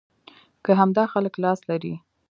کې همدا خلک لاس لري.